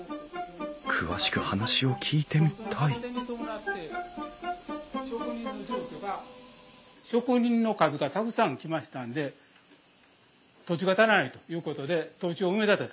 詳しく話を聞いてみたい職人の数がたくさん来ましたので土地が足らないということで土地を埋め立てた。